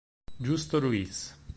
Justo Ruiz